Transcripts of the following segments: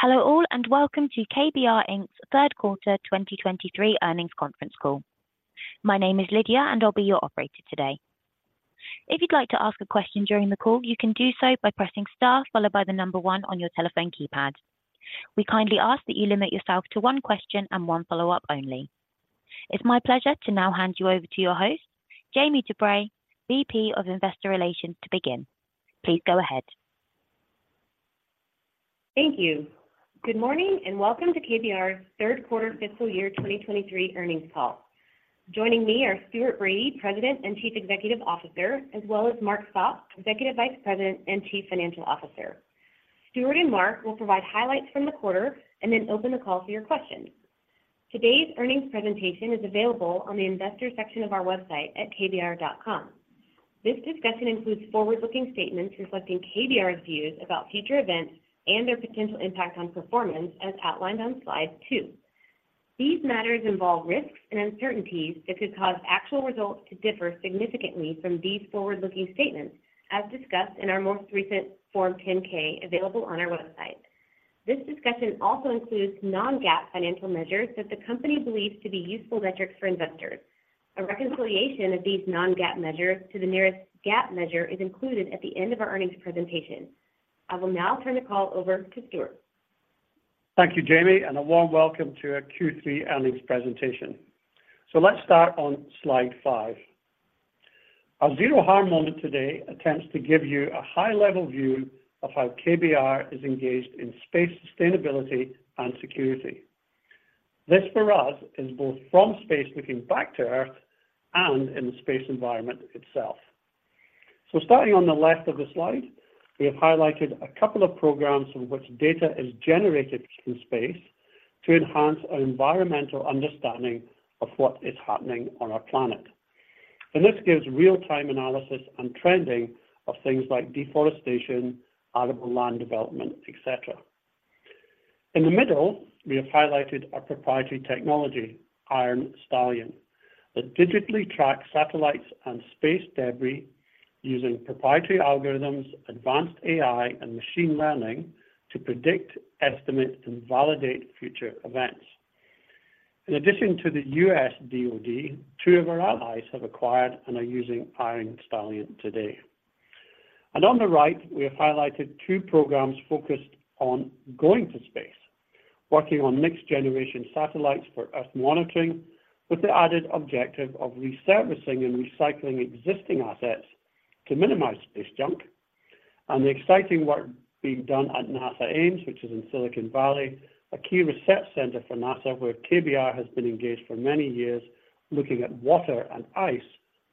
Hello all, and welcome to KBR, Inc.'s third quarter 2023 earnings conference call. My name is Lydia, and I'll be your operator today. If you'd like to ask a question during the call, you can do so by pressing star followed by the number 1 on your telephone keypad. We kindly ask that you limit yourself to one question and one follow-up only. It's my pleasure to now hand you over to your host, Jamie DuBray, VP of Investor Relations, to begin. Please go ahead. Thank you. Good morning, and welcome to KBR's third quarter fiscal year 2023 earnings call. Joining me are Stuart Bradie, President and Chief Executive Officer, as well as Mark Sopp, Executive Vice President and Chief Financial Officer. Stuart and Mark will provide highlights from the quarter and then open the call for your questions. Today's earnings presentation is available on the investor section of our website at kbr.com. This discussion includes forward-looking statements reflecting KBR's views about future events and their potential impact on performance, as outlined on slide two. These matters involve risks and uncertainties that could cause actual results to differ significantly from these forward-looking statements, as discussed in our most recent Form 10-K, available on our website. This discussion also includes non-GAAP financial measures that the company believes to be useful metrics for investors. A reconciliation of these non-GAAP measures to the nearest GAAP measure is included at the end of our earnings presentation. I will now turn the call over to Stuart. Thank you, Jamie, and a warm welcome to our Q3 earnings presentation. So let's start on slide 5. Our Zero Harm moment today attempts to give you a high-level view of how KBR is engaged in space, sustainability, and security. This, for us, is both from space looking back to Earth and in the space environment itself. So starting on the left of the slide, we have highlighted a couple of programs in which data is generated from space to enhance our environmental understanding of what is happening on our planet. And this gives real-time analysis and trending of things like deforestation, out of land development, etc. In the middle, we have highlighted our proprietary technology, Iron Stallion, that digitally tracks satellites and space debris using proprietary algorithms, advanced AI, and machine learning to predict, estimate, and validate future events. In addition to the US DoD, two of our allies have acquired and are using Iron Stallion today. On the right, we have highlighted two programs focused on going to space, working on next-generation satellites for Earth monitoring, with the added objective of resurfacing and recycling existing assets to minimize space junk. The exciting work being done at NASA Ames, which is in Silicon Valley, a key research center for NASA, where KBR has been engaged for many years, looking at water and ice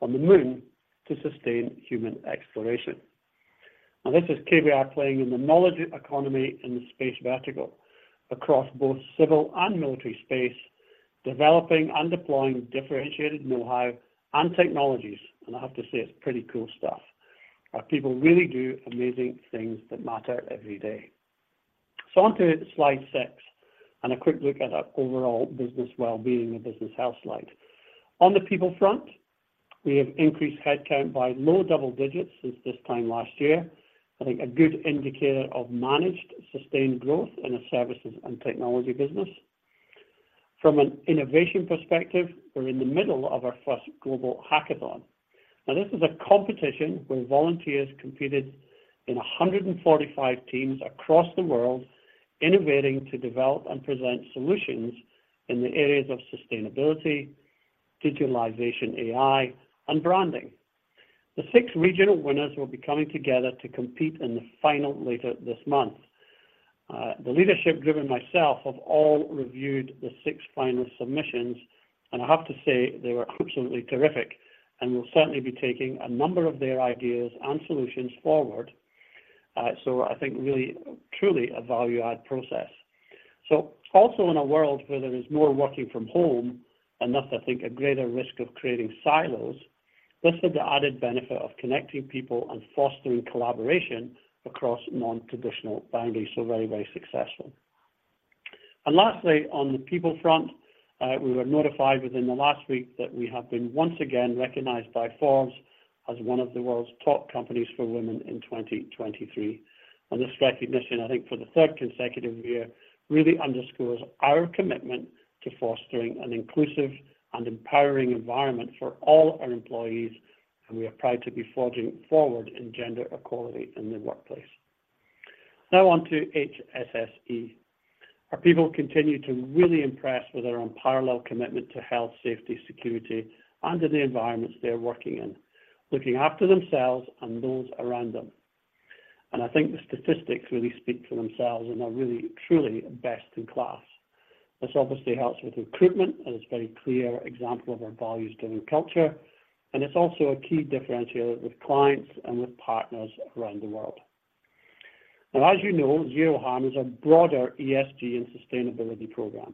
on the moon to sustain human exploration. Now, this is KBR playing in the knowledge economy in the space vertical across both civil and military space, developing and deploying differentiated know-how and technologies. I have to say, it's pretty cool stuff. Our people really do amazing things that matter every day. So on to slide 6, and a quick look at our overall business well-being and business health slide. On the people front, we have increased headcount by low double digits since this time last year. I think a good indicator of managed, sustained growth in the services and technology business. From an innovation perspective, we're in the middle of our first global hackathon. Now, this is a competition where volunteers competed in 145 teams across the world, innovating to develop and present solutions in the areas of sustainability, digitalization, AI, and branding. The six regional winners will be coming together to compete in the final later this month. The leadership driven myself, have all reviewed the six final submissions, and I have to say they were absolutely terrific and will certainly be taking a number of their ideas and solutions forward. I think really, truly a value-add process. Also in a world where there is more working from home and thus, I think, a greater risk of creating silos, this had the added benefit of connecting people and fostering collaboration across non-traditional boundaries. Very, very successful. Lastly, on the people front, we were notified within the last week that we have been once again recognized by Forbes as one of the world's top companies for women in 2023. This recognition, I think, for the third consecutive year, really underscores our commitment to fostering an inclusive and empowering environment for all our employees, and we are proud to be forging forward in gender equality in the workplace. Now on to HSSE. Our people continue to really impress with their unparalleled commitment to health, safety, security, and in the environments they are working in, looking after themselves and those around them. And I think the statistics really speak for themselves and are really, truly best in class. This obviously helps with recruitment, and it's a very clear example of our values-driven culture, and it's also a key differentiator with clients and with partners around the world. Now, as you know, Zero Harm is a broader ESG and sustainability program,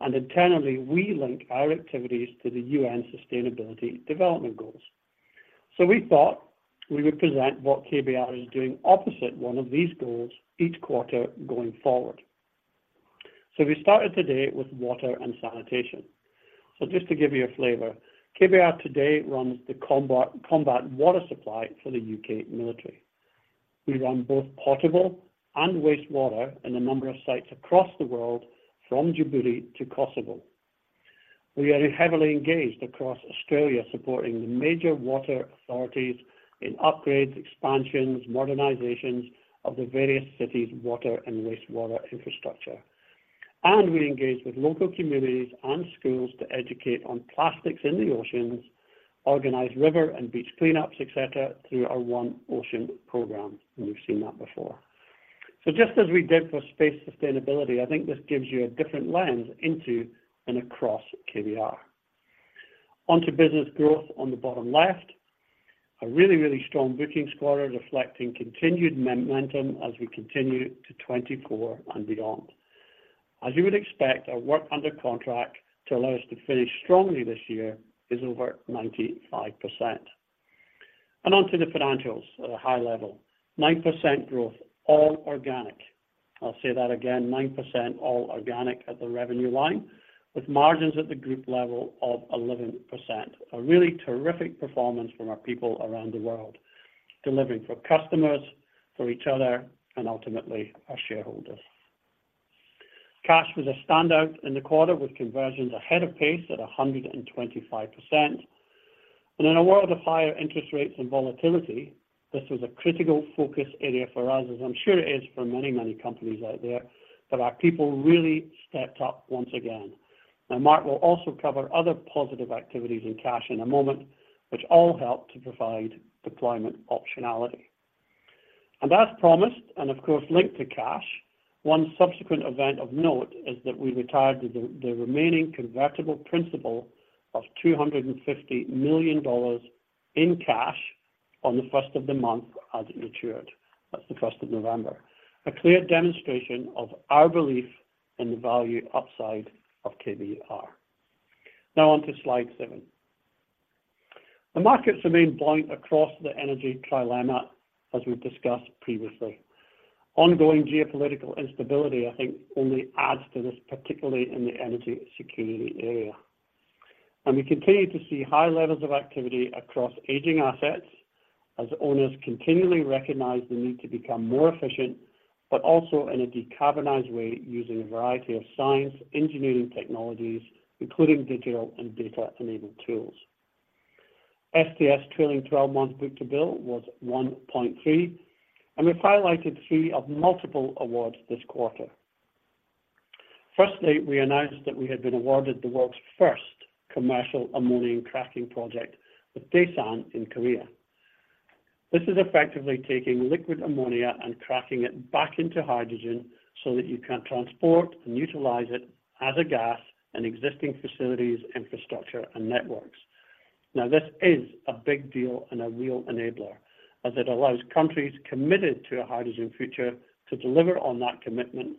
and internally, we link our activities to the UN Sustainable Development Goals. So we thought we would present what KBR is doing opposite one of these goals each quarter going forward. So we started today with water and sanitation. So just to give you a flavor, KBR today runs the combat water supply for the UK military. We run both potable and wastewater in a number of sites across the world, from Djibouti to Kosovo. We are heavily engaged across Australia, supporting the major water authorities in upgrades, expansions, modernizations of the various cities, water and wastewater infrastructure. We engage with local communities and schools to educate on plastics in the oceans, organize river and beach cleanups, et cetera, through our One Ocean program, and you've seen that before. Just as we did for space sustainability, I think this gives you a different lens into and across KBR. Onto business growth on the bottom left, a really, really strong booking quarter, reflecting continued momentum as we continue to 2024 and beyond. As you would expect, our work under contract to allow us to finish strongly this year is over 95%. Onto the financials at a high level, 9% growth, all organic. I'll say that again, 9% all organic at the revenue line, with margins at the group level of 11%. A really terrific performance from our people around the world, delivering for customers, for each other, and ultimately our shareholders. Cash was a standout in the quarter, with conversions ahead of pace at 125%. And in a world of higher interest rates and volatility, this was a critical focus area for us, as I'm sure it is for many, many companies out there, but our people really stepped up once again. Now, Mark will also cover other positive activities in cash in a moment, which all help to provide deployment optionality. As promised, and of course, linked to cash, one subsequent event of note is that we retired the remaining convertible principal of $250 million in cash on the first of the month as it matured. That's the first of November. A clear demonstration of our belief in the value upside of KBR. Now on to slide 7. The markets remain blunt across the energy trilemma, as we've discussed previously. Ongoing geopolitical instability, I think, only adds to this, particularly in the energy security area. We continue to see high levels of activity across aging assets as owners continually recognize the need to become more efficient, but also in a decarbonized way, using a variety of science, engineering technologies, including digital and data-enabled tools. STS trailing twelve-month book-to-bill was 1.3, and we've highlighted three of multiple awards this quarter. Firstly, we announced that we had been awarded the world's first commercial ammonia cracking project with Daesan in Korea. This is effectively taking liquid ammonia and cracking it back into hydrogen so that you can transport and utilize it as a gas in existing facilities, infrastructure, and networks. Now, this is a big deal and a real enabler as it allows countries committed to a hydrogen future to deliver on that commitment,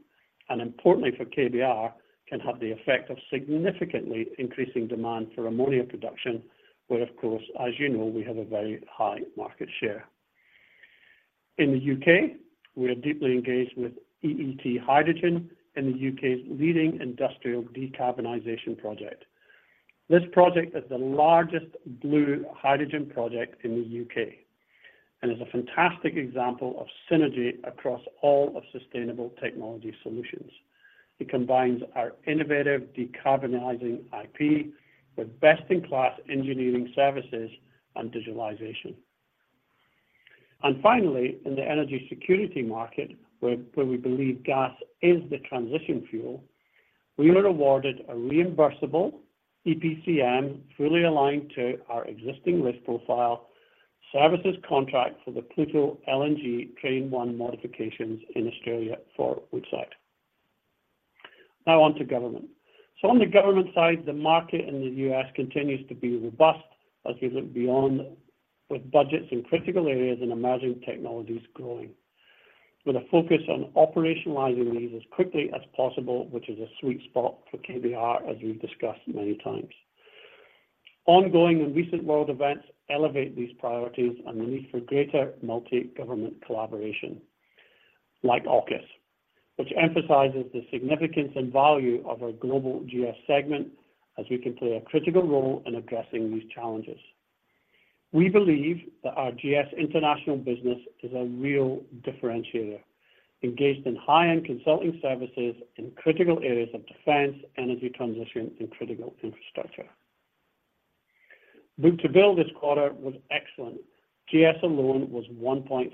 and importantly, for KBR, can have the effect of significantly increasing demand for ammonia production, where, of course, as you know, we have a very high market share. In the U.K., we are deeply engaged with EET Hydrogen in the U.K.'s leading industrial decarbonization project. This project is the largest blue hydrogen project in the U.K. and is a fantastic example of synergy across all of sustainable technology solutions. It combines our innovative decarbonizing IP with best-in-class engineering services and digitalization. And finally, in the energy security market, where we believe gas is the transition fuel, we were awarded a reimbursable EPCM, fully aligned to our existing risk profile, services contract for the Pluto LNG Train One modifications in Australia for Woodside. Now on to government. So on the government side, the market in the U.S. continues to be robust as we look beyond, with budgets in critical areas and emerging technologies growing, with a focus on operationalizing these as quickly as possible, which is a sweet spot for KBR, as we've discussed many times. Ongoing and recent world events elevate these priorities and the need for greater multi-government collaboration, like AUKUS, which emphasizes the significance and value of our global GS segment as we can play a critical role in addressing these challenges. We believe that our GS international business is a real differentiator, engaged in high-end consulting services in critical areas of defense, energy transition, and critical infrastructure. Book-to-bill this quarter was excellent. GS alone was 1.6,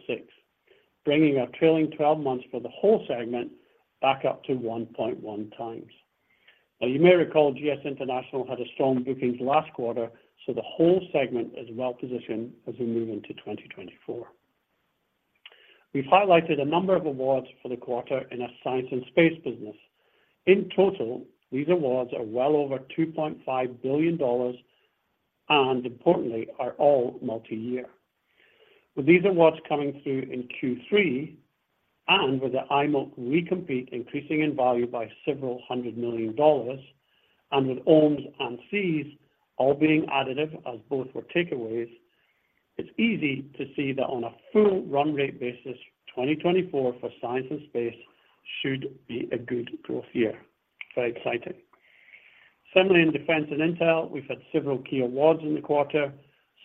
bringing our trailing twelve months for the whole segment back up to 1.1 times. Now, you may recall, GS International had a strong bookings last quarter, so the whole segment is well positioned as we move into 2024. We've highlighted a number of awards for the quarter in our science and space business. In total, these awards are well over $2.5 billion, and importantly, are all multi-year. With these awards coming through in Q3, and with the IMOC recompete increasing in value by $several hundred million, and with OMES and SEAS all being additive, as both were takeaways-... It's easy to see that on a full run rate basis, 2024 for science and space should be a good growth year. Very exciting. Similarly, in defense and intel, we've had several key awards in the quarter,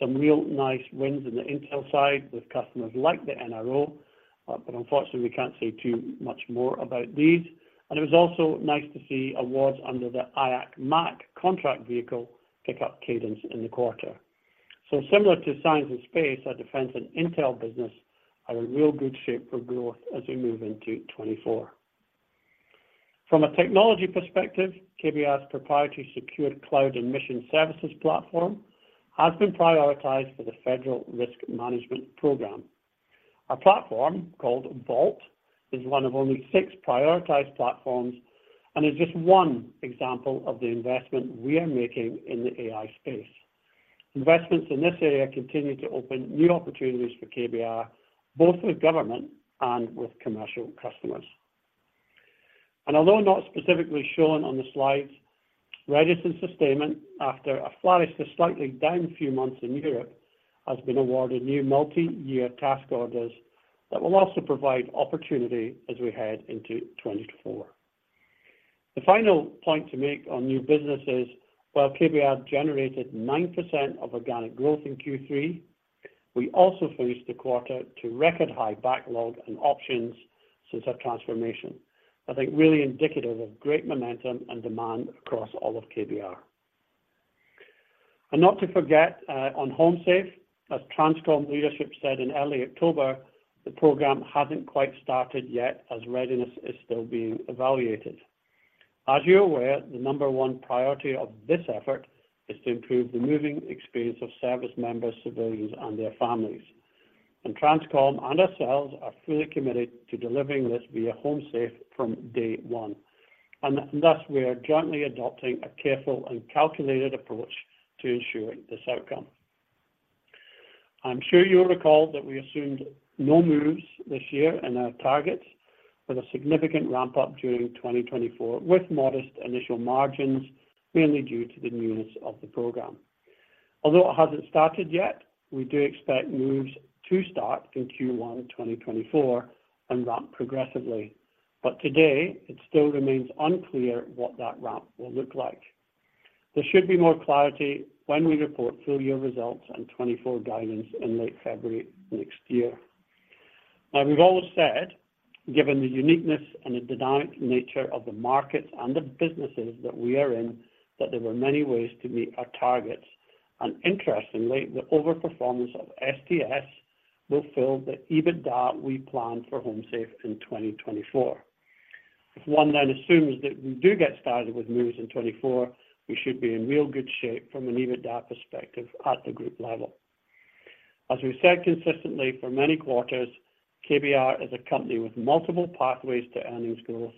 some real nice wins in the intel side with customers like the NRO, but unfortunately, we can't say too much more about these. And it was also nice to see awards under the IAC MAC contract vehicle pick up cadence in the quarter. So similar to science and space, our defense and intel business are in real good shape for growth as we move into 2024. From a technology perspective, KBR's proprietary secured cloud and mission services platform has been prioritized for the Federal Risk Management Program. Our platform, called Vault, is one of only six prioritized platforms and is just one example of the investment we are making in the AI space. Investments in this area continue to open new opportunities for KBR, both with government and with commercial customers. And although not specifically shown on the slides, readiness and sustainment, after a flattish to slightly down few months in Europe, has been awarded new multi-year task orders that will also provide opportunity as we head into 2024. The final point to make on new business is, while KBR generated 9% of organic growth in Q3, we also finished the quarter to record high backlog and options since our transformation. I think really indicative of great momentum and demand across all of KBR. And not to forget, on HomeSafe, as TRANSCOM leadership said in early October, the program hasn't quite started yet as readiness is still being evaluated. As you're aware, the number one priority of this effort is to improve the moving experience of service members, civilians, and their families. And TRANSCOM and ourselves are fully committed to delivering this via HomeSafe from day one, and thus, we are jointly adopting a careful and calculated approach to ensuring this outcome. I'm sure you'll recall that we assumed no moves this year in our targets, with a significant ramp-up during 2024, with modest initial margins, mainly due to the newness of the program. Although it hasn't started yet, we do expect moves to start in Q1 2024 and ramp progressively. But today, it still remains unclear what that ramp will look like. There should be more clarity when we report full year results and 2024 guidance in late February next year. Now, we've always said, given the uniqueness and the dynamic nature of the markets and the businesses that we are in, that there were many ways to meet our targets. And interestingly, the overperformance of STS will fill the EBITDA we planned for HomeSafe in 2024. If one then assumes that we do get started with moves in 2024, we should be in real good shape from an EBITDA perspective at the group level. As we've said consistently for many quarters, KBR is a company with multiple pathways to earnings growth,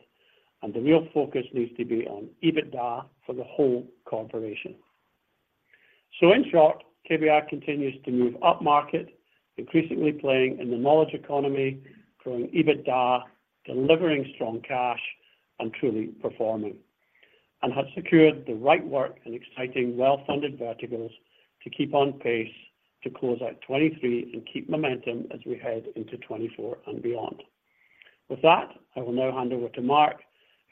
and the real focus needs to be on EBITDA for the whole corporation. In short, KBR continues to move upmarket, increasingly playing in the knowledge economy, growing EBITDA, delivering strong cash, and truly performing, and have secured the right work in exciting, well-funded verticals to keep on pace to close out 2023 and keep momentum as we head into 2024 and beyond. With that, I will now hand over to Mark,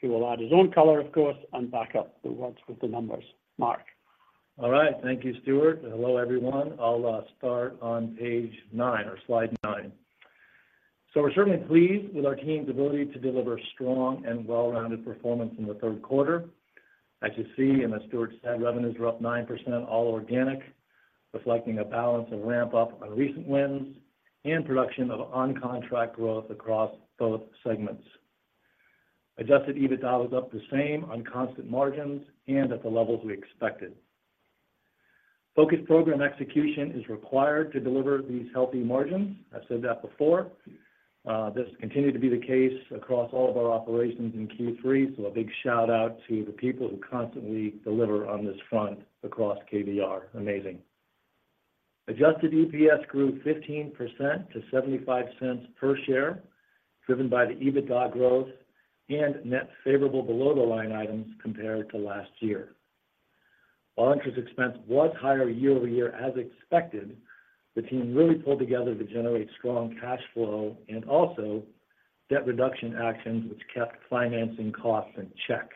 who will add his own color, of course, and back up the words with the numbers. Mark? All right. Thank you, Stuart, and hello, everyone. I'll start on page 9 or slide 9. So we're certainly pleased with our team's ability to deliver strong and well-rounded performance in the third quarter. As you see, and as Stuart said, revenues were up 9%, all organic, reflecting a balance of ramp-up on recent wins and production of on-contract growth across both segments. Adjusted EBITDA was up the same on constant margins and at the levels we expected. Focused program execution is required to deliver these healthy margins. I've said that before. This continued to be the case across all of our operations in Q3, so a big shout-out to the people who constantly deliver on this front across KBR. Amazing! Adjusted EPS grew 15% to $0.75 per share, driven by the EBITDA growth and net favorable below-the-line items compared to last year. While interest expense was higher year-over-year, as expected, the team really pulled together to generate strong cash flow and also debt reduction actions, which kept financing costs in check.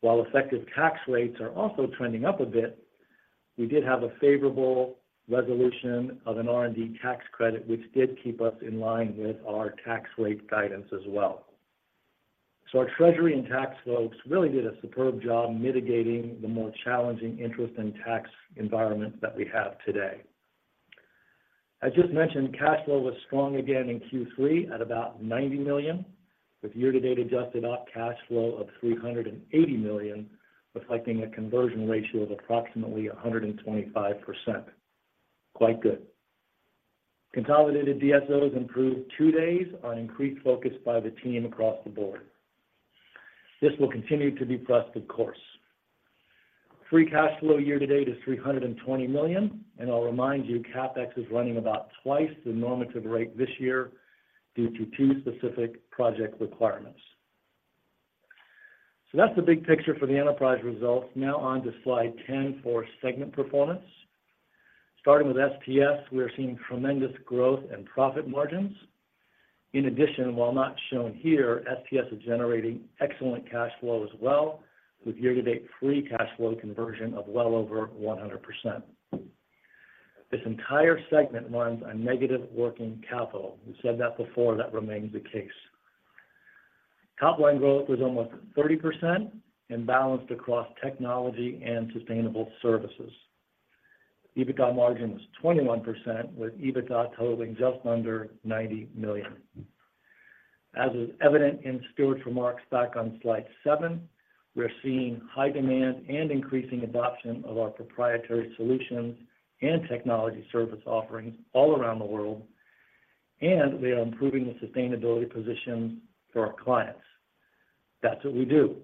While effective tax rates are also trending up a bit, we did have a favorable resolution of an R&D tax credit, which did keep us in line with our tax rate guidance as well. So our treasury and tax folks really did a superb job mitigating the more challenging interest and tax environments that we have today. I just mentioned cash flow was strong again in Q3 at about $90 million, with year-to-date adjusted operating cash flow of $380 million, reflecting a conversion ratio of approximately 125%. Quite good. Consolidated DSOs improved 2 days on increased focus by the team across the board. This will continue to be pressed, of course. Free cash flow year to date is $320 million, and I'll remind you, CapEx is running about twice the normative rate this year due to 2 specific project requirements. That's the big picture for the enterprise results. Now on to slide 10 for segment performance. Starting with STS, we are seeing tremendous growth and profit margins. In addition, while not shown here, STS is generating excellent cash flow as well, with year-to-date free cash flow conversion of well over 100%. This entire segment runs on negative working capital. We said that before, that remains the case. Top line growth was almost 30% and balanced across technology and sustainable services. EBITDA margin was 21%, with EBITDA totaling just under $90 million. As is evident in Stuart's remarks back on slide 7, we are seeing high demand and increasing adoption of our proprietary solutions and technology service offerings all around the world, and we are improving the sustainability position for our clients. That's what we do.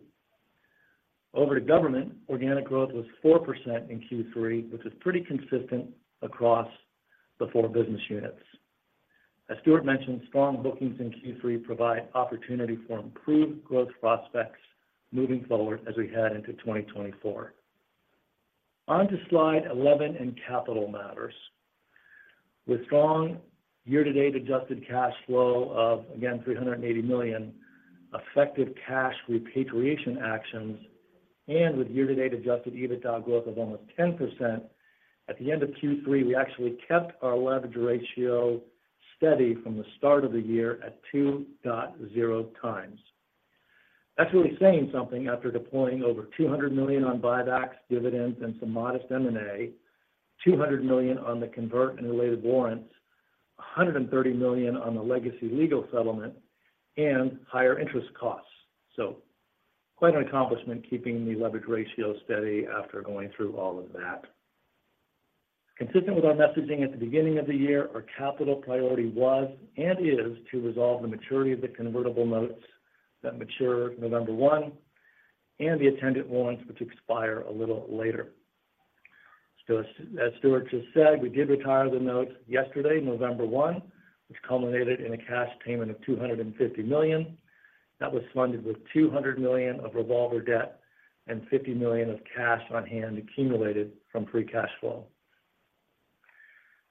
Over to government, organic growth was 4% in Q3, which is pretty consistent across the four business units. As Stuart mentioned, strong bookings in Q3 provide opportunity for improved growth prospects moving forward as we head into 2024. On to slide 11 in capital matters. With strong year-to-date adjusted cash flow of, again, $380 million, effective cash repatriation actions, and with year-to-date adjusted EBITDA growth of almost 10%, at the end of Q3, we actually kept our leverage ratio steady from the start of the year at 2.0 times. That's really saying something after deploying over $200 million on buybacks, dividends, and some modest M&A, $200 million on the convert and related warrants, $130 million on the legacy legal settlement, and higher interest costs. Quite an accomplishment, keeping the leverage ratio steady after going through all of that. Consistent with our messaging at the beginning of the year, our capital priority was, and is, to resolve the maturity of the convertible notes that mature November 1, and the attendant warrants, which expire a little later. As Stuart just said, we did retire the notes yesterday, November 1, which culminated in a cash payment of $250 million. That was funded with $200 million of revolver debt and $50 million of cash on hand accumulated from free cash flow.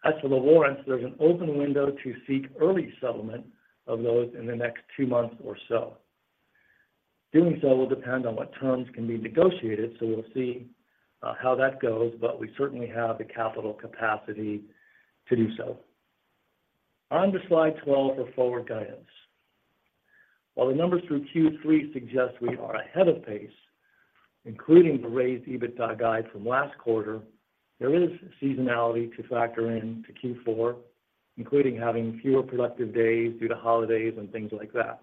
As for the warrants, there's an open window to seek early settlement of those in the next two months or so. Doing so will depend on what terms can be negotiated, so we'll see how that goes, but we certainly have the capital capacity to do so. On to slide 12 for forward guidance. While the numbers through Q3 suggest we are ahead of pace, including the raised EBITDA guide from last quarter, there is seasonality to factor in to Q4, including having fewer productive days due to holidays and things like that.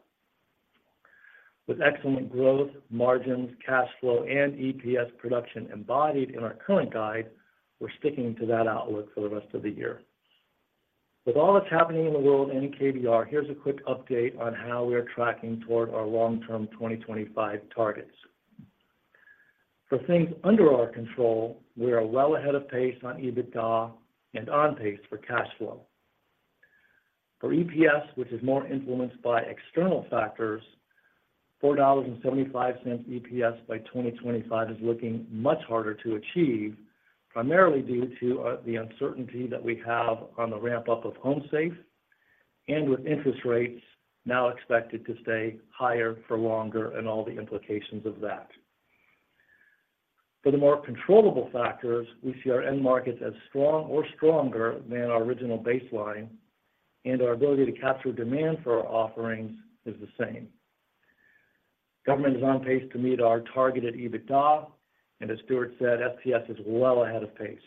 With excellent growth, margins, cash flow, and EPS production embodied in our current guide, we're sticking to that outlook for the rest of the year. With all that's happening in the world and in KBR, here's a quick update on how we are tracking toward our long-term 2025 targets. For things under our control, we are well ahead of pace on EBITDA and on pace for cash flow. For EPS, which is more influenced by external factors, $4.75 EPS by 2025 is looking much harder to achieve, primarily due to the uncertainty that we have on the ramp-up of HomeSafe and with interest rates now expected to stay higher for longer and all the implications of that. For the more controllable factors, we see our end markets as strong or stronger than our original baseline, and our ability to capture demand for our offerings is the same. Government is on pace to meet our targeted EBITDA, and as Stuart said, STS is well ahead of pace.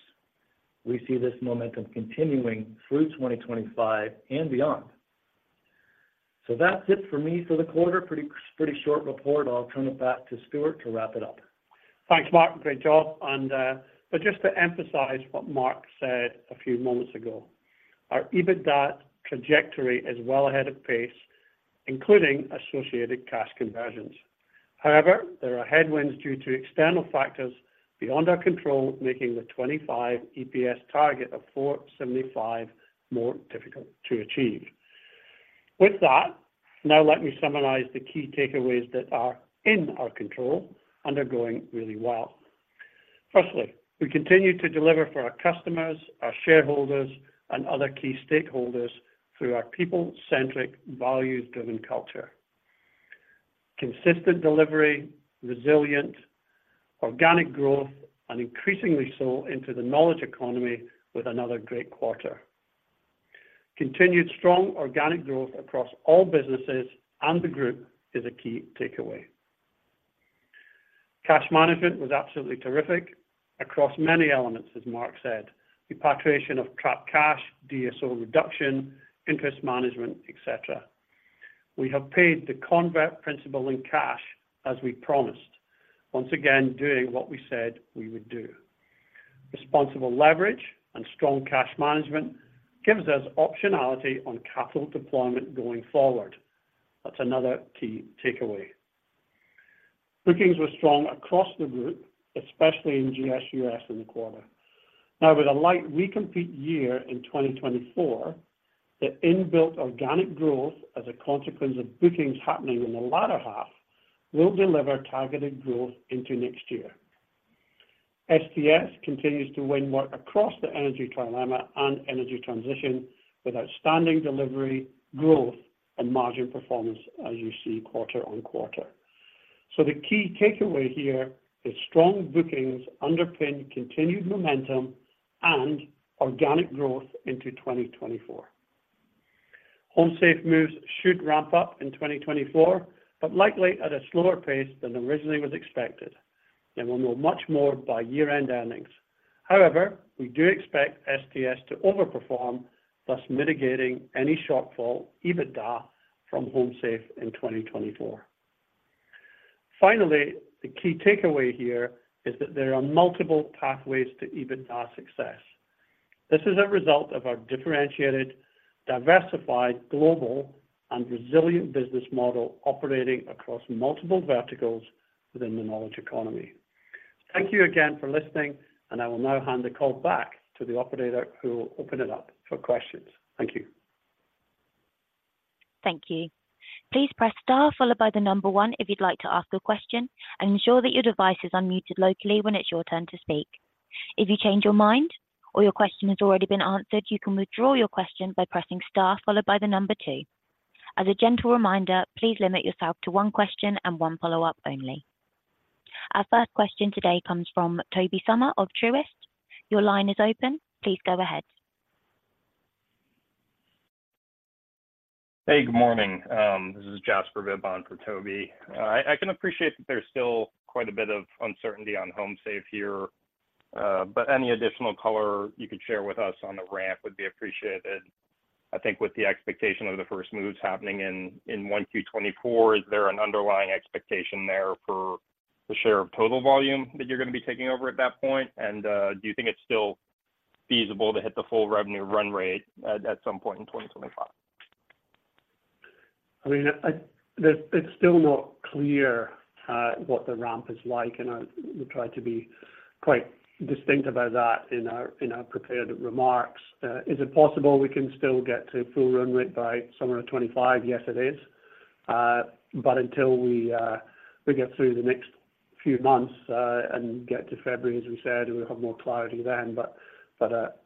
We see this momentum continuing through 2025 and beyond. So that's it for me for the quarter. Pretty, pretty short report. I'll turn it back to Stuart to wrap it up. Thanks, Mark. Great job. But just to emphasize what Mark said a few moments ago, our EBITDA trajectory is well ahead of pace, including associated cash conversions. However, there are headwinds due to external factors beyond our control, making the 25 EPS target of $4.75 more difficult to achieve. With that, now let me summarize the key takeaways that are in our control and are going really well. Firstly, we continue to deliver for our customers, our shareholders, and other key stakeholders through our people-centric, values-driven culture. Consistent delivery, resilient organic growth, and increasingly so into the knowledge economy with another great quarter. Continued strong organic growth across all businesses and the group is a key takeaway. Cash management was absolutely terrific across many elements, as Mark said, repatriation of trapped cash, DSO reduction, interest management, et cetera. We have paid the convertible principal in cash, as we promised. Once again, doing what we said we would do. Responsible leverage and strong cash management gives us optionality on capital deployment going forward. That's another key takeaway. Bookings were strong across the group, especially in GS U.S. in the quarter. Now with a light re-compete year in 2024, the inbuilt organic growth as a consequence of bookings happening in the latter half, will deliver targeted growth into next year. STS continues to win work across the energy trilemma and energy transition with outstanding delivery, growth, and margin performance as you see quarter-on-quarter. So the key takeaway here is strong bookings underpin continued momentum and organic growth into 2024. HomeSafe moves should ramp up in 2024, but likely at a slower pace than originally was expected, and we'll know much more by year-end earnings. However, we do expect STS to overperform, thus mitigating any shortfall EBITDA from HomeSafe in 2024. Finally, the key takeaway here is that there are multiple pathways to EBITDA success. This is a result of our differentiated, diversified, global, and resilient business model operating across multiple verticals within the knowledge economy. Thank you again for listening, and I will now hand the call back to the operator, who will open it up for questions. Thank you. Thank you. Please press star followed by the number one if you'd like to ask a question, and ensure that your device is unmuted locally when it's your turn to speak. If you change your mind or your question has already been answered, you can withdraw your question by pressing star followed by the number two. As a gentle reminder, please limit yourself to one question and one follow-up only. Our first question today comes from Toby Sommer of Truist. Your line is open. Please go ahead. Hey, good morning. This is Jasper Bibb for Toby. I can appreciate that there's still quite a bit of uncertainty on HomeSafe here, but any additional color you could share with us on the ramp would be appreciated. I think with the expectation of the first moves happening in Q1 2024, is there an underlying expectation there for the share of total volume that you're gonna be taking over at that point? And, do you think it's still feasible to hit the full revenue run rate at some point in 2025? I mean, it's still not clear what the ramp is like, and I will try to be quite distinct about that in our prepared remarks. Is it possible we can still get to full run rate by summer of 2025? Yes, it is. But until we get through the next few months and get to February, as we said, we'll have more clarity then. But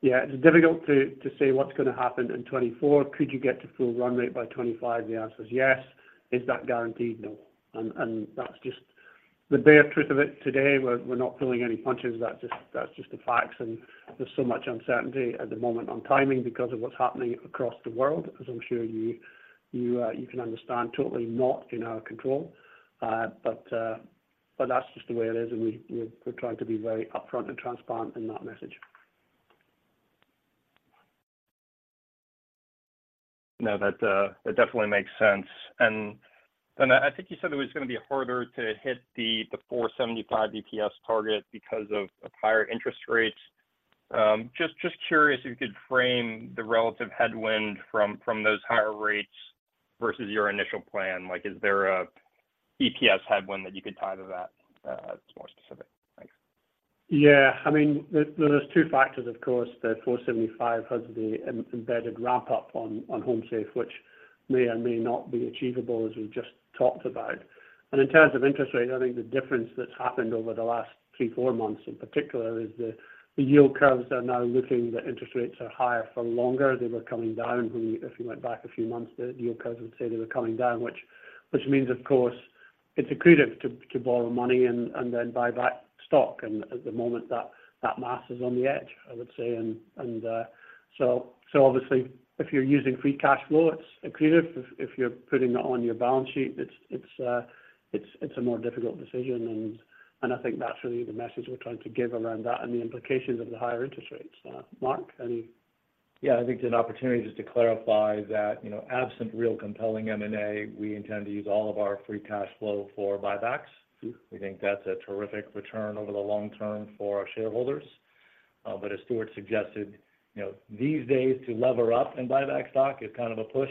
yeah, it's difficult to say what's gonna happen in 2024. Could you get to full run rate by 2025? The answer is yes. Is that guaranteed? No. And that's just the bare truth of it. Today, we're not pulling any punches. That's just, that's just the facts, and there's so much uncertainty at the moment on timing because of what's happening across the world, as I'm sure you can understand, totally not in our control. But that's just the way it is, and we're trying to be very upfront and transparent in that message. No, that, that definitely makes sense. And then I think you said it was gonna be harder to hit the, the $4.75 EPS target because of, of higher interest rates. Just, just curious if you could frame the relative headwind from, from those higher rates versus your initial plan. Like, is there a EPS headwind that you could tie to that, that's more specific? Thanks. Yeah. I mean, there is two factors of course. The 475 has the embedded wrap-up on HomeSafe, which may or may not be achievable, as we just talked about. And in terms of interest rates, I think the difference that's happened over the last 3-4 months in particular is the yield curves are now looking that interest rates are higher for longer. They were coming down. If you went back a few months, the yield curves would say they were coming down, which means, of course, it's accretive to borrow money and then buy back stock. And at the moment, that mass is on the edge, I would say. And, and, so, so obviously if you're using free cash flow, it's accretive. If you're putting it on your balance sheet, it's a more difficult decision, and I think that's really the message we're trying to give around that and the implications of the higher interest rates. Mark, any? Yeah, I think it's an opportunity just to clarify that, you know, absent real compelling M&A, we intend to use all of our free cash flow for buybacks. We think that's a terrific return over the long term for our shareholders. But as Stuart suggested, you know, these days, to lever up and buy back stock is kind of a push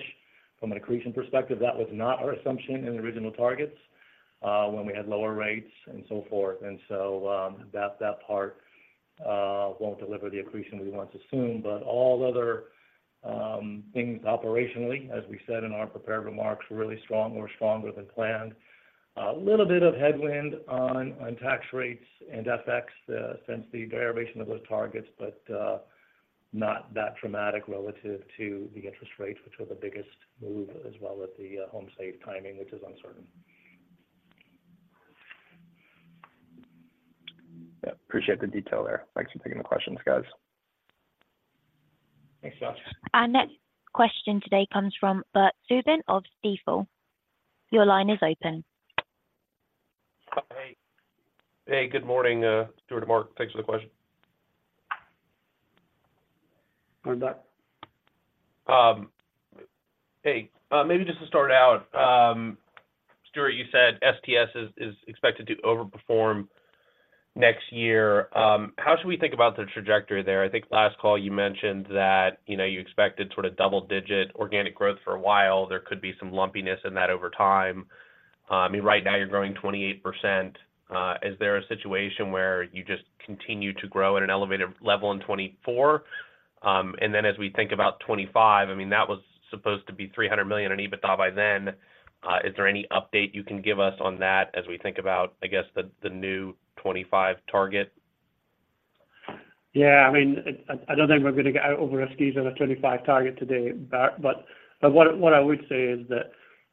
from an accretion perspective. That was not our assumption in the original targets, when we had lower rates and so forth. And so, that, that part, won't deliver the accretion we once assumed. But all other, things operationally, as we said in our prepared remarks, were really strong or stronger than planned. A little bit of headwind on, on tax rates and FX, since the derivation of those targets, but, not that dramatic relative to the interest rates, which were the biggest move, as well as the HomeSafe timing, which is uncertain. Yeah. Appreciate the detail there. Thanks for taking the questions, guys. Thanks, Josh. Our next question today comes from Bert Subin of Stifel. Your line is open. Hey. Hey, good morning, Stuart and Mark. Thanks for the question. Hi, Bert. Hey, maybe just to start out, Stuart, you said STS is expected to overperform next year. How should we think about the trajectory there? I think last call you mentioned that, you know, you expected sort of double-digit organic growth for a while. There could be some lumpiness in that over time. I mean, right now you're growing 28%. Is there a situation where you just continue to grow at an elevated level in 2024? And then as we think about 2025, I mean, that was supposed to be $300 million in EBITDA by then. Is there any update you can give us on that as we think about, I guess, the new 2025 target? Yeah, I mean, I don't think we're going to get out over our skis on a 25 target today. But what I would say is that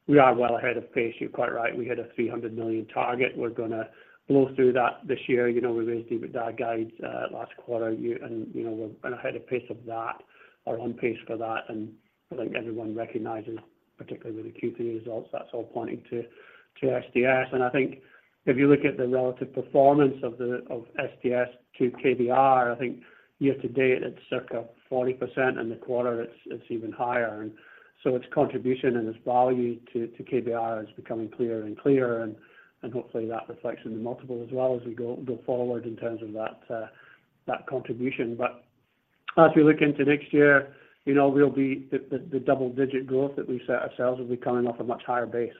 we are well ahead of pace. You're quite right, we had a $300 million target. We're gonna blow through that this year. You know, we raised the EBITDA guides last quarter, and you know, we're ahead of pace of that, or on pace for that. And I think everyone recognizes, particularly with the Q3 results, that's all pointing to STS. And I think if you look at the relative performance of STS to KBR, I think year to date, it's circa 40%, and the quarter it's even higher. And so its contribution and its value to KBR is becoming clearer and clearer, and hopefully that reflects in the multiple as well as we go forward in terms of that contribution. But as we look into next year, you know, we'll be the double-digit growth that we set ourselves will be coming off a much higher base.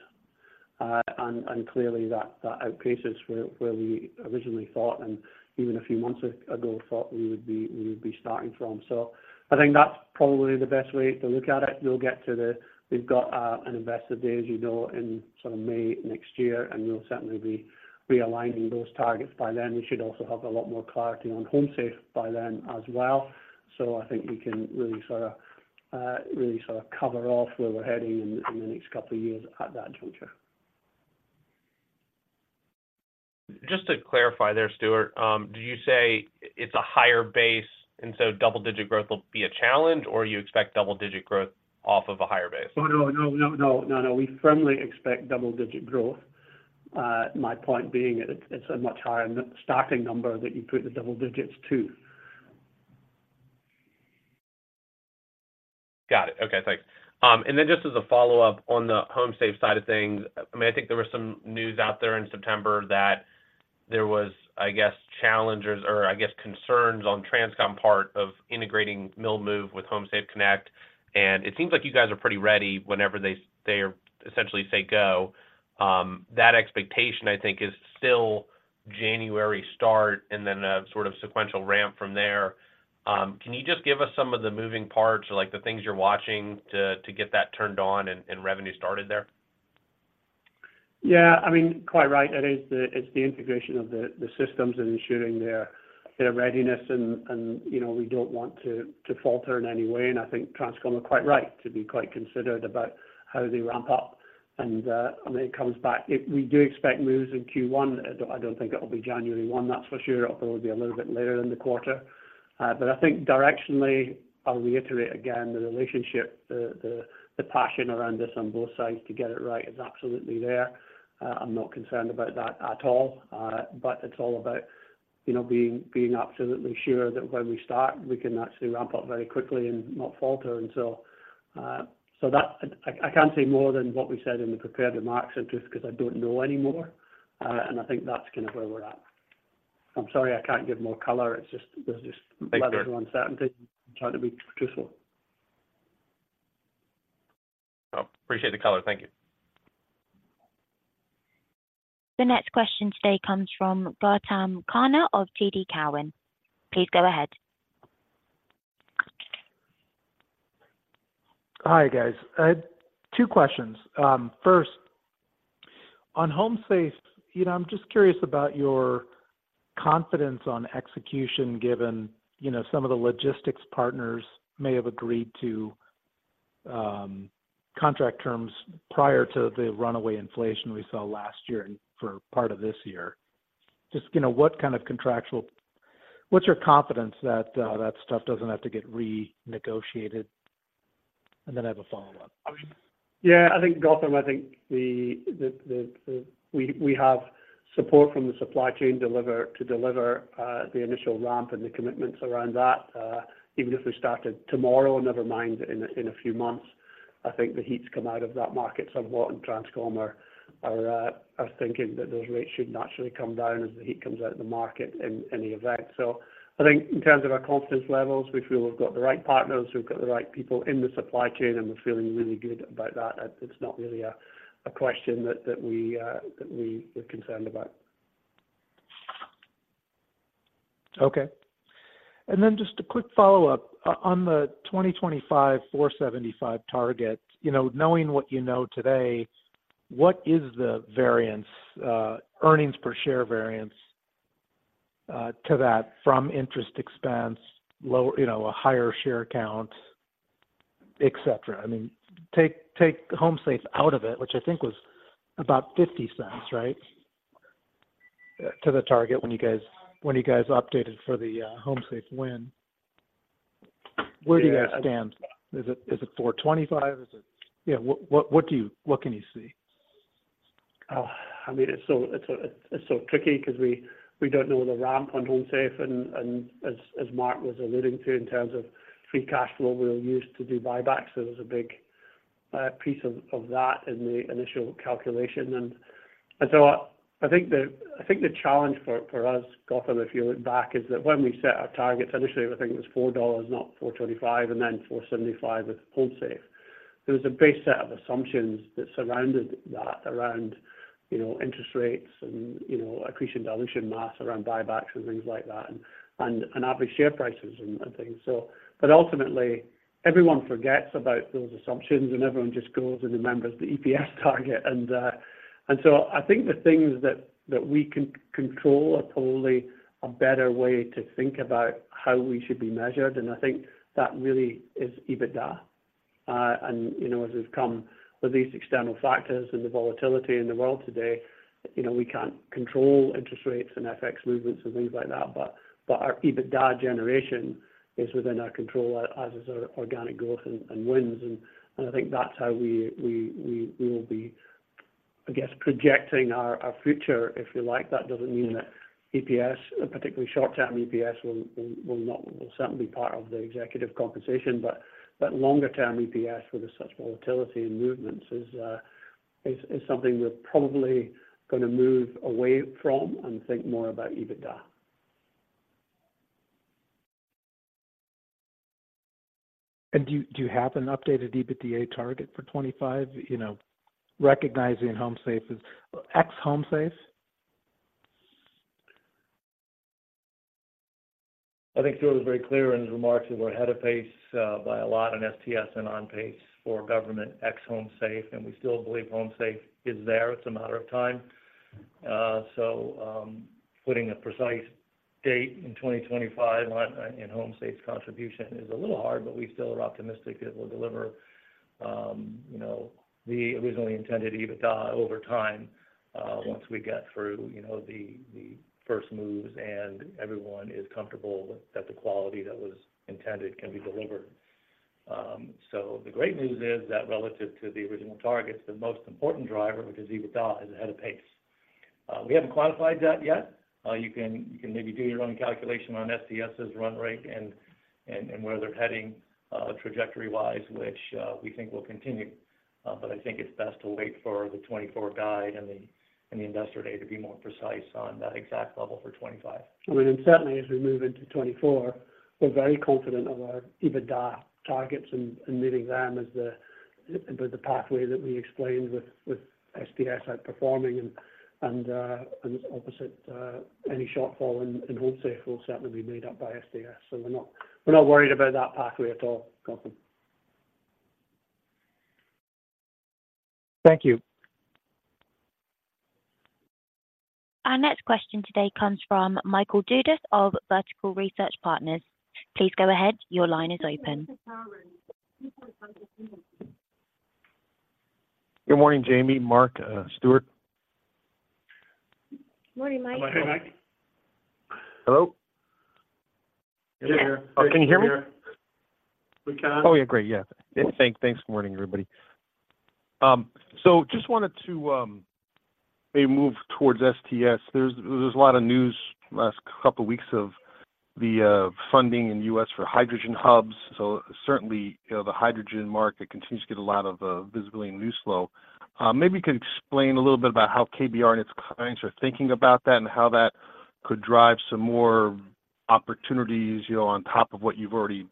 And clearly, that outpaces where we originally thought, and even a few months ago, thought we would be starting from. So I think that's probably the best way to look at it. We'll get to the... We've got an Investor Day, as you know, in sort of May next year, and we'll certainly be realigning those targets by then. We should also have a lot more clarity on HomeSafe by then as well. So I think we can really sort of really sort of cover off where we're heading in, in the next couple of years at that juncture. Just to clarify there, Stuart, did you say it's a higher base, and so double-digit growth will be a challenge, or you expect double-digit growth off of a higher base? Oh, no, no, no, no, no. We firmly expect double-digit growth. My point being, it's a much higher starting number that you put the double digits to. Got it. Okay, thanks. And then just as a follow-up on the HomeSafe side of things, I mean, I think there was some news out there in September that there was, I guess, challenges or I guess concerns on TRANSCOM part of integrating MilMove with HomeSafe Connect, and it seems like you guys are pretty ready whenever they, they essentially say, go. That expectation, I think, is still January start and then a sort of sequential ramp from there. Can you just give us some of the moving parts or, like, the things you're watching to, to get that turned on and, and revenue started there? Yeah, I mean, quite right. It is the, it's the integration of the, the systems and ensuring their, their readiness and, and, you know, we don't want to, to falter in any way. And I think TRANSCOM are quite right to be quite considered about how they ramp up. And, I mean, it comes back. We do expect moves in Q1. I don't, I don't think it will be January one, that's for sure. It'll probably be a little bit later in the quarter. But I think directionally, I'll reiterate again, the relationship, the, the, the passion around this on both sides to get it right is absolutely there. I'm not concerned about that at all. But it's all about, you know, being, being absolutely sure that when we start, we can actually ramp up very quickly and not falter. And so, so that, I can't say more than what we said in the prepared remarks, and just 'cause I don't know any more, and I think that's kind of where we're at. I'm sorry, I can't give more color. It's just, there's just. Thank you Uncertainty, I'm trying to be truthful. I appreciate the color. Thank you. The next question today comes from Gautam Khanna of TD Cowen. Please go ahead. Hi, guys. Two questions. First, on HomeSafe, you know, I'm just curious about your confidence on execution, given, you know, some of the logistics partners may have agreed to contract terms prior to the runaway inflation we saw last year and for part of this year. Just, you know, what kind of contractual, what's your confidence that that stuff doesn't have to get renegotiated? And then I have a follow-up. Yeah, I think, Gautam, I think the... We have support from the supply chain to deliver the initial ramp and the commitments around that, even if we started tomorrow, never mind in a few months. I think the heat's come out of that market somewhat, and TRANSCOM are thinking that those rates should naturally come down as the heat comes out of the market in the event. So I think in terms of our confidence levels, we feel we've got the right partners, we've got the right people in the supply chain, and we're feeling really good about that. It's not really a question that we are concerned about. Okay. And then just a quick follow-up. On the 2025 $4.75 target, you know, knowing what you know today, what is the variance, earnings per share variance, to that from interest expense, low, you know, a higher share count, et cetera? I mean, take, take HomeSafe out of it, which I think was about $0.50, right? To the target when you guys, when you guys updated for the, HomeSafe win. Yeah. Where do you guys stand? Is it 425? Yeah, what can you see? Oh, I mean, it's so, it's so tricky 'cause we don't know the ramp on HomeSafe, and as Mark was alluding to, in terms of free cash flow, we'll use to do buybacks. So there's a big piece of that in the initial calculation. And so I think the challenge for us, Gautam, if you look back, is that when we set our targets, initially, I think it was $4, not $4.25, and then $4.75 with HomeSafe. There was a base set of assumptions that surrounded that around, you know, interest rates and, you know, accretion, dilution math around buybacks and things like that, and average share prices and things. So, but ultimately, everyone forgets about those assumptions, and everyone just goes and remembers the EPS target. So I think the things that we can control are probably a better way to think about how we should be measured, and I think that really is EBITDA. You know, as we've come with these external factors and the volatility in the world today, you know, we can't control interest rates and FX movements and things like that, but our EBITDA generation is within our control, as is our organic growth and wins. I think that's how we will be, I guess, projecting our future, if you like. That doesn't mean that EPS, particularly short-term EPS, will not, will certainly be part of the executive compensation, but longer-term EPS with such volatility and movements is something we're probably gonna move away from and think more about EBITDA. Do you have an updated EBITDA target for 25, you know, recognizing HomeSafe is ex HomeSafe? I think Stuart was very clear in his remarks that we're ahead of pace by a lot on STS and on pace for government ex HomeSafe, and we still believe HomeSafe is there. It's a matter of time. So, putting a precise date in 2025 on in HomeSafe's contribution is a little hard, but we still are optimistic that it will deliver you know the originally intended EBITDA over time once we get through you know the first moves and everyone is comfortable that the quality that was intended can be delivered. So the great news is that relative to the original targets, the most important driver, which is EBITDA, is ahead of pace. We haven't quantified that yet. You can maybe do your own calculation on STS's run rate and where they're heading, trajectory-wise, which we think will continue. But I think it's best to wait for the 2024 guide and the Investor Day to be more precise on that exact level for 2025. I mean, certainly as we move into 2024, we're very confident of our EBITDA targets and meeting them as the pathway that we explained with STS outperforming and opposite any shortfall in HomeSafe will certainly be made up by STS. So we're not worried about that pathway at all, Gautam. Thank you. Our next question today comes from Michael Dudas of Vertical Research Partners. Please go ahead. Your line is open. Good morning, Jamie, Mark, Stuart. Morning, Mike. Hi, Mike. Hello? Yeah. Can you hear me? We can. Oh, yeah, great. Yeah. Thanks. Morning, everybody. So just wanted to maybe move towards STS. There's a lot of news last couple of weeks of the funding in U.S. for hydrogen hubs. So certainly, you know, the hydrogen market continues to get a lot of visibility and news flow. Maybe you could explain a little bit about how KBR and its clients are thinking about that and how that could drive some more opportunities, you know, on top of what you've already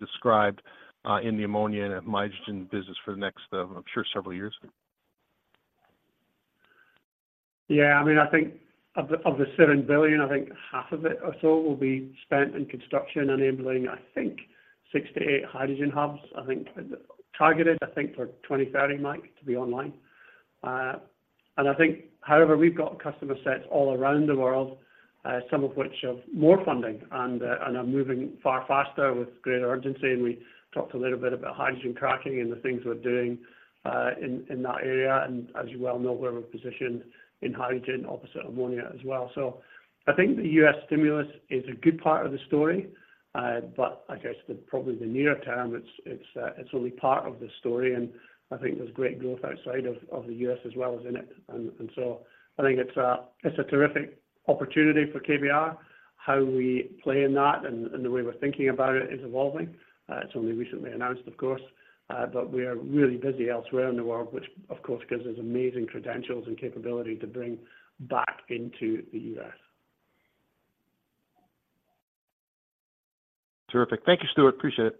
described in the ammonia and hydrogen business for the next, I'm sure, several years. Yeah, I mean, I think of the, of the $7 billion, I think half of it or so will be spent in construction enabling, I think, 6-8 hydrogen hubs. I think targeted, I think for 2030, Mike, to be online. I think, however, we've got customer sets all around the world, some of which have more funding and are moving far faster with greater urgency. We talked a little bit about hydrogen cracking and the things we're doing in that area, and as you well know, where we're positioned in hydrogen opposite ammonia as well. So I think the U.S. stimulus is a good part of the story, but I guess the probably the near term, it's, it's, it's only part of the story, and I think there's great growth outside of, of the U.S. as well as in it. And, and so I think it's a, it's a terrific opportunity for KBR. How we play in that and, and the way we're thinking about it is evolving. It's only recently announced, of course, but we are really busy elsewhere in the world, which of course, gives us amazing credentials and capability to bring back into the U.S. Terrific. Thank you, Stuart. Appreciate it.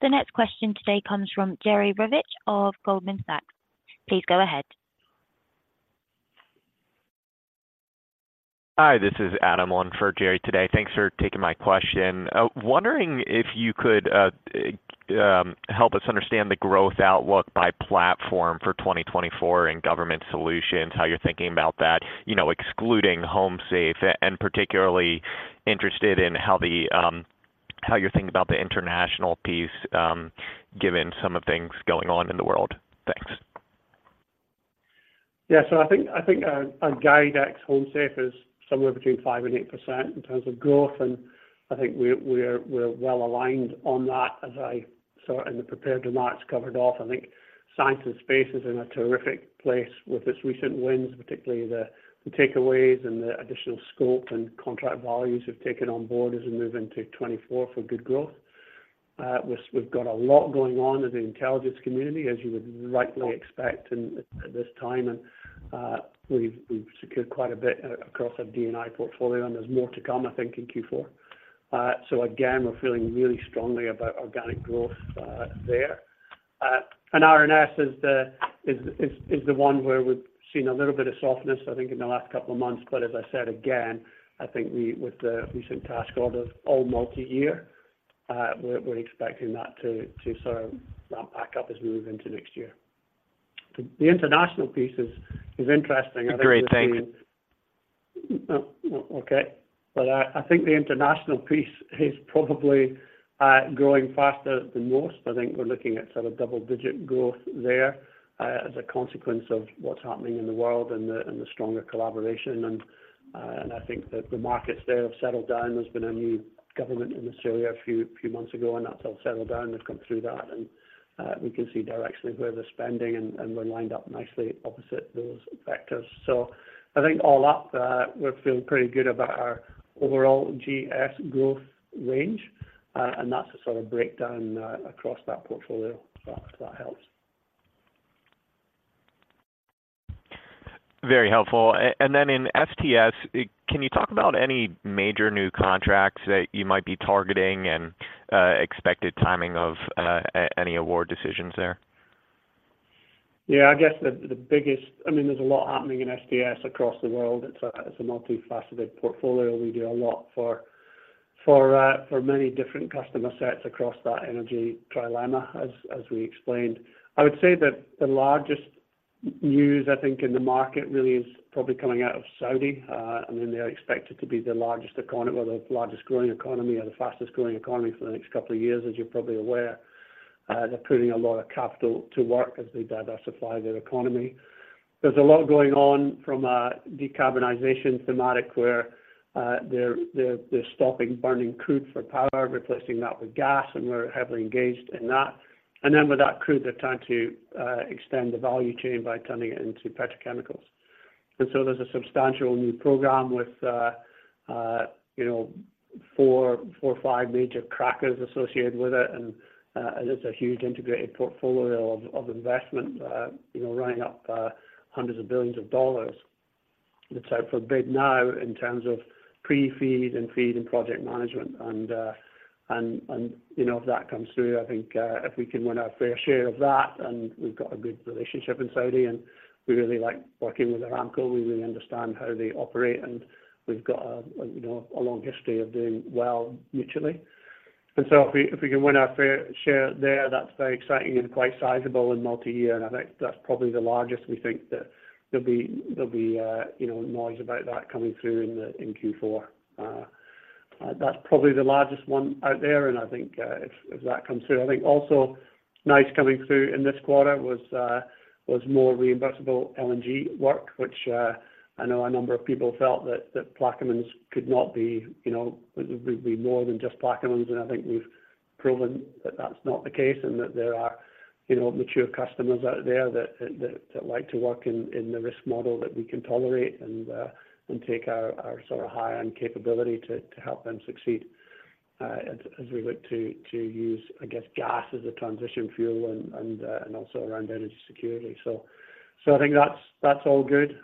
The next question today comes from Jerry Revich of Goldman Sachs. Please go ahead. Hi, this is Adam, on for Jerry today. Thanks for taking my question. Wondering if you could help us understand the growth outlook by platform for 2024 in government solutions, how you're thinking about that, you know, excluding HomeSafe, and particularly interested in how you're thinking about the international piece, given some of the things going on in the world. Thanks. Yeah. So I think, I think, our guide ex-HomeSafe is somewhere between 5%-8% in terms of growth, and I think we're, we're, we're well aligned on that, as I saw in the prepared remarks covered off. I think science and space is in a terrific place with its recent wins, particularly the takeaways and the additional scope and contract values we've taken on board as we move into 2024 for good growth. We've got a lot going on in the intelligence community, as you would rightly expect in at this time, and, we've, we've secured quite a bit across our D&I portfolio, and there's more to come, I think, in Q4. So again, we're feeling really strongly about organic growth there. And R&S is the one where we've seen a little bit of softness, I think, in the last couple of months. But as I said, again, I think we, with the recent task order, all multi-year, we're expecting that to sort of ramp back up as we move into next year. The international piece is interesting. Great, thank you. Okay. But I think the international piece is probably growing faster than most. I think we're looking at sort of double-digit growth there, as a consequence of what's happening in the world and the stronger collaboration. And I think that the markets there have settled down. There's been a new government in this area a few months ago, and that's all settled down. We've come through that, and we can see directionally where they're spending, and we're lined up nicely opposite those vectors. So I think all up, we're feeling pretty good about our overall GS growth range, and that's a sort of breakdown across that portfolio, if that helps. Very helpful. And then in STS, can you talk about any major new contracts that you might be targeting and expected timing of any award decisions there? Yeah, I guess the biggest. I mean, there's a lot happening in FTS across the world. It's a multifaceted portfolio. We do a lot for many different customer sets across that energy trilemma, as we explained. I would say that the largest news, I think, in the market really is probably coming out of Saudi. I mean, they're expected to be the largest economy, or the largest growing economy, or the fastest growing economy for the next couple of years, as you're probably aware. They're putting a lot of capital to work as they diversify their economy. There's a lot going on from a decarbonization thematic, where they're stopping burning crude for power, replacing that with gas, and we're heavily engaged in that. And then with that crude, they're trying to extend the value chain by turning it into petrochemicals. And so there's a substantial new program with, you know, four, four or five major crackers associated with it, and it's a huge integrated portfolio of investment, you know, running up $hundreds of billions. It's out for bid now in terms of pre-feed and feed and project management, and, you know, if that comes through, I think, if we can win our fair share of that, and we've got a good relationship in Saudi, and we really like working with Aramco. We really understand how they operate, and we've got a, you know, a long history of doing well mutually. And so if we can win our fair share there, that's very exciting and quite sizable and multi-year, and I think that's probably the largest we think that there'll be noise about that coming through in Q4. That's probably the largest one out there, and I think if that comes through. I think also nice coming through in this quarter was more reimbursable LNG work, which I know a number of people felt that Plaquemines could not be more than just Plaquemines. I think we've proven that that's not the case and that there are, you know, mature customers out there that like to work in the risk model that we can tolerate and take our sort of high-end capability to help them succeed, as we look to use, I guess, gas as a transition fuel and also around energy security. So I think that's all good,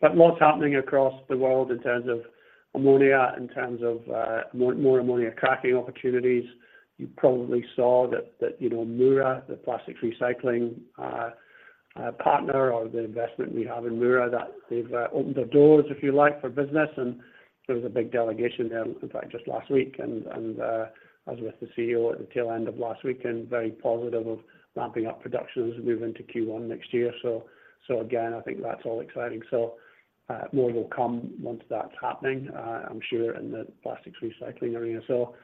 but lots happening across the world in terms of ammonia, in terms of more ammonia cracking opportunities. You probably saw that, you know, Mura, the plastics recycling partner or the investment we have in Mura, that they've opened their doors, if you like, for business. And there was a big delegation there, in fact, just last week. I was with the CEO at the tail end of last week, and very positive of ramping up production as we move into Q1 next year. So, again, I think that's all exciting. So, more will come once that's happening, I'm sure, in the plastics recycling area. So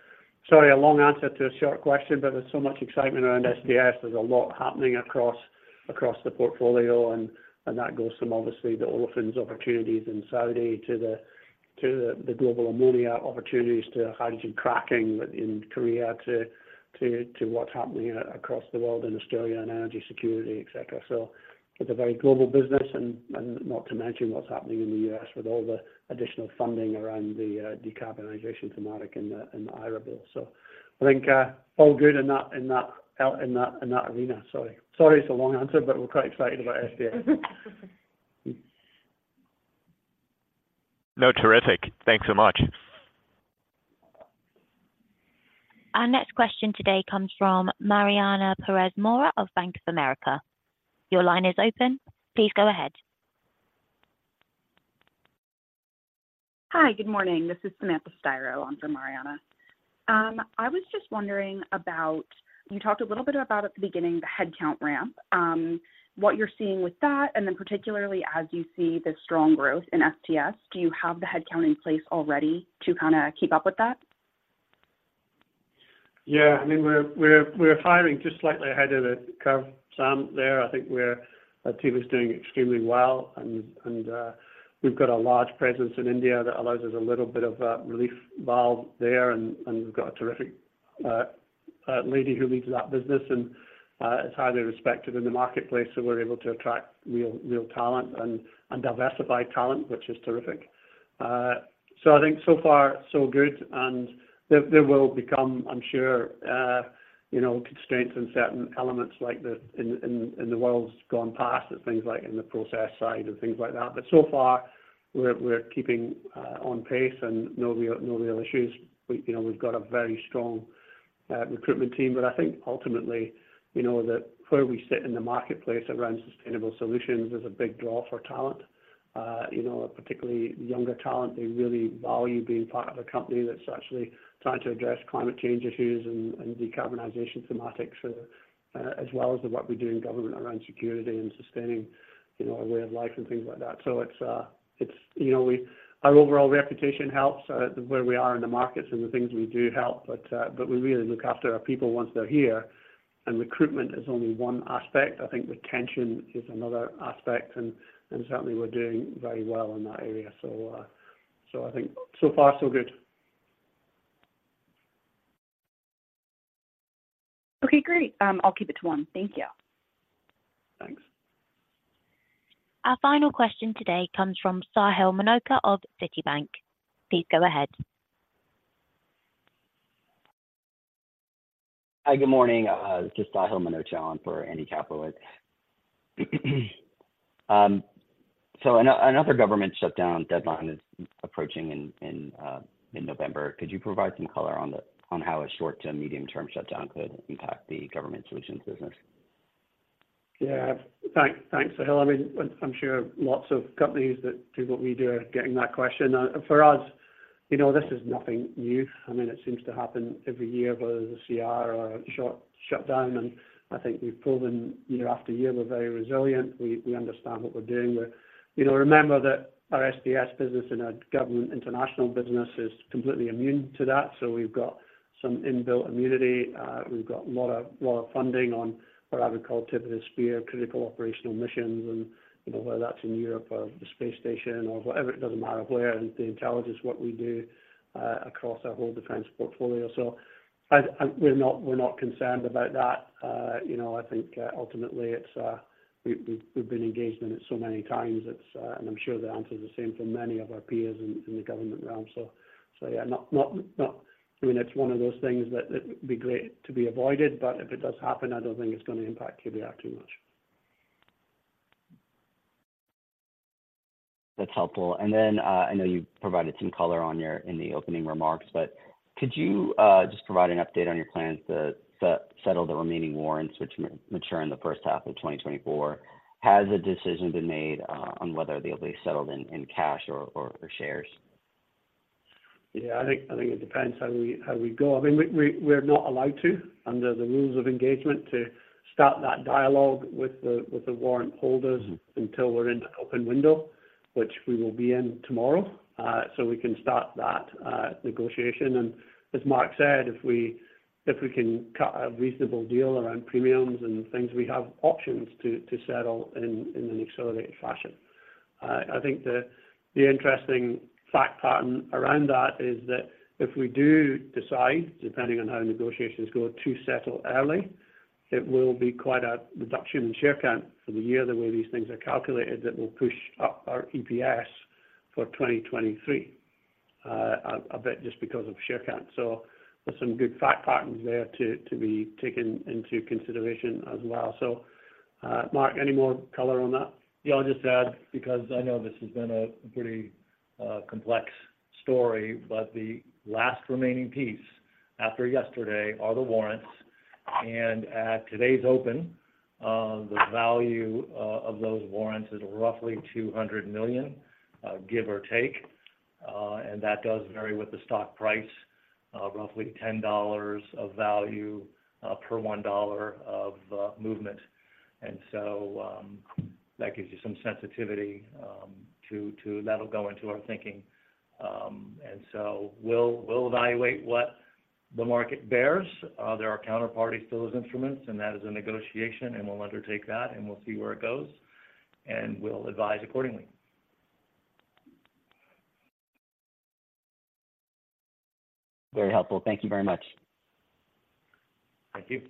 sorry, a long answer to a short question, but there's so much excitement around STS. There's a lot happening across the portfolio, and that goes from, obviously, the olefins opportunities in Saudi to the global ammonia opportunities, to hydrogen cracking in Korea, to what's happening across the world in Australia and energy security, et cetera. So it's a very global business and not to mention what's happening in the U.S. with all the additional funding around the decarbonization thematic and the IRA bill. So I think all good in that, in that out, in that, in that arena. Sorry. Sorry, it's a long answer, but we're quite excited about STS. No, terrific. Thanks so much. Our next question today comes from Mariana Perez Mora of Bank of America. Your line is open. Please go ahead. Hi, good morning. This is Samantha Stiroh on for Mariana. I was just wondering about, you talked a little bit about at the beginning, the headcount ramp, what you're seeing with that, and then particularly as you see the strong growth in STS, do you have the headcount in place already to kinda keep up with that? Yeah, I mean, we're, we're, we're hiring just slightly ahead of the curve, Sam, there. I think we're team is doing extremely well, and, and we've got a large presence in India that allows us a little bit of a relief valve there, and, and we've got a terrific lady who leads that business, and is highly respected in the marketplace, so we're able to attract real, real talent and, and diversify talent, which is terrific. So I think so far, so good, and there will become, I'm sure, you know, constraints in certain elements like in the worlds gone past and things like in the process side and things like that. But so far, we're keeping on pace and no real issues. We, you know, we've got a very strong recruitment team, but I think ultimately, you know, that where we sit in the marketplace around sustainable solutions is a big draw for talent. You know, particularly younger talent, they really value being part of a company that's actually trying to address climate change issues and decarbonization thematics, as well as what we do in government around security and sustaining, you know, our way of life and things like that. So it's, you know, our overall reputation helps, where we are in the markets and the things we do help, but we really look after our people once they're here. And recruitment is only one aspect. I think retention is another aspect, and certainly we're doing very well in that area. So, I think so far, so good. Okay, great. I'll keep it to one. Thank you. Thanks. Our final question today comes from Sahil Manocha of Citibank. Please go ahead. Hi, good morning. This is Sahil Manocha on for Andy Kaplowitz. Another government shutdown deadline is approaching in November. Could you provide some color on how a short-term, medium-term shutdown could impact the government solutions business? Yeah. Thanks, thanks, Sahil. I mean, I'm sure lots of companies that do what we do are getting that question. For us, you know, this is nothing new. I mean, it seems to happen every year, whether it's a CR or a short shutdown, and I think we've proven year after year, we're very resilient. We understand what we're doing. You know, remember that our S&S business and our government international business is completely immune to that, so we've got some inbuilt immunity. We've got a lot of funding on what I would call tip of the spear, critical operational missions, and, you know, whether that's in Europe or the space station or whatever, it doesn't matter where. The intelligence is what we do across our whole defense portfolio. So, we're not concerned about that. You know, I think ultimately we've been engaged in it so many times. And I'm sure the answer is the same for many of our peers in the government realm. So yeah, not... I mean, it's one of those things that would be great to be avoided, but if it does happen, I don't think it's gonna impact KBR too much. That's helpful. And then, I know you provided some color on your, in the opening remarks, but could you just provide an update on your plans to settle the remaining warrants which mature in the first half of 2024? Has a decision been made, on whether they'll be settled in cash or shares? Yeah, I think it depends how we go. I mean, we're not allowed to, under the rules of engagement, to start that dialogue with the warrant holders until we're into open window, which we will be in tomorrow. So we can start that negotiation. And as Mark said, if we can cut a reasonable deal around premiums and things, we have options to settle in an accelerated fashion. I think the interesting fact pattern around that is that if we do decide, depending on how negotiations go, to settle early, it will be quite a reduction in share count for the year, the way these things are calculated, that will push up our EPS for 2023, a bit just because of share count. So there's some good fact patterns there to be taken into consideration as well. So, Mark, any more color on that? Yeah, I'll just add, because I know this has been a pretty complex story, but the last remaining piece after yesterday are the warrants. And at today's open, the value of those warrants is roughly $200 million, give or take, and that does vary with the stock price, roughly $10 of value per $1 of movement. And so that gives you some sensitivity to, that'll go into our thinking. And so we'll evaluate what the market bears. There are counterparties to those instruments, and that is a negotiation, and we'll undertake that, and we'll see where it goes, and we'll advise accordingly. Very helpful. Thank you very much. Thank you.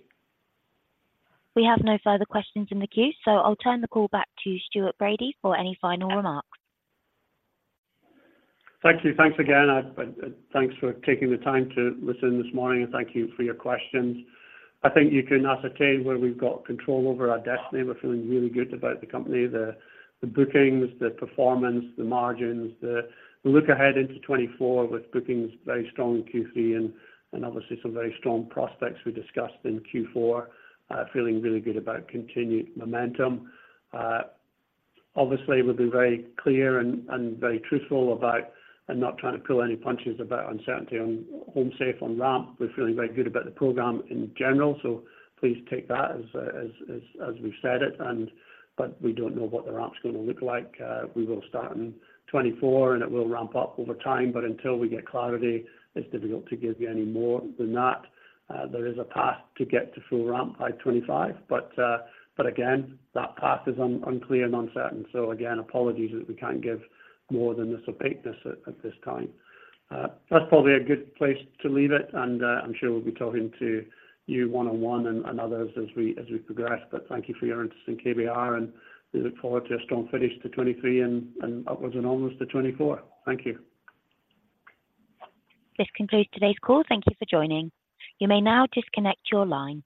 We have no further questions in the queue, so I'll turn the call back to Stuart Bradie for any final remarks. Thank you. Thanks again. Thanks for taking the time to listen this morning, and thank you for your questions. I think you can ascertain where we've got control over our destiny. We're feeling really good about the company, the bookings, the performance, the margins, the look ahead into 2024 with bookings very strong in Q3 and obviously some very strong prospects we discussed in Q4. Feeling really good about continued momentum. Obviously, we've been very clear and very truthful about and not trying to pull any punches about uncertainty on HomeSafe on ramp. We're feeling very good about the program in general, so please take that as we've said it, and but we don't know what the ramp's gonna look like. We will start in 2024, and it will ramp up over time, but until we get clarity, it's difficult to give you any more than that. There is a path to get to full ramp by 2025, but again, that path is unclear and uncertain. So again, apologies that we can't give more than this opaqueness at this time. That's probably a good place to leave it, and I'm sure we'll be talking to you one-on-one and others as we progress. But thank you for your interest in KBR, and we look forward to a strong finish to 2023 and upwards and onwards to 2024. Thank you. This concludes today's call. Thank you for joining. You may now disconnect your line.